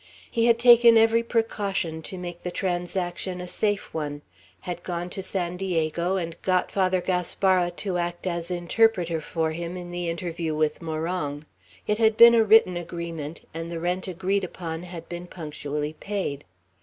He had taken every precaution to make the transaction a safe one; had gone to San Diego, and got Father Gaspara to act as interpreter for him, in the interview with Morong; it had been a written agreement, and the rent agreed upon had been punctually paid.